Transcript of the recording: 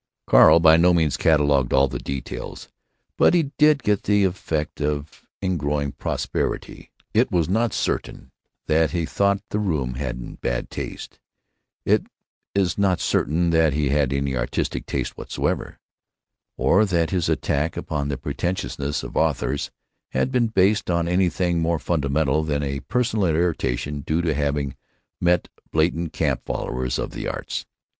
Carl by no means catalogued all the details, but he did get the effect of ingrowing propriety. It is not certain that he thought the room in bad taste. It is not certain that he had any artistic taste whatever; or that his attack upon the pretensions of authors had been based on anything more fundamental than a personal irritation due to having met blatant camp followers of the arts.